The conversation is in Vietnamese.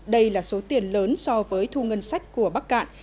đây là số tiền lớn so với thu ngân sách của bắc cạn